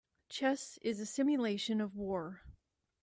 Chess is a simulation of war.